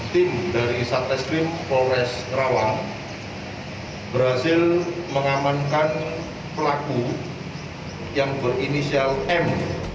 tim dari satreskrim polres karawang berhasil mengamankan pelaku yang berinisial m